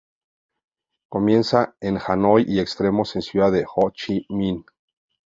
Comienza en Hanoi y extremos en Ciudad Ho Chi Minh.